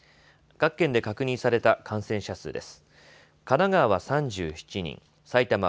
各県で確認された感染者数です。